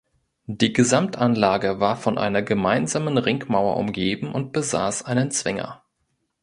Die Gesamtanlage war von einer gemeinsamen Ringmauer umgeben und besaß einen Zwinger.